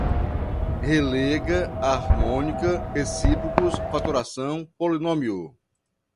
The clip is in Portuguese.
Relega, harmônica, recíprocos, fatoração, polinômio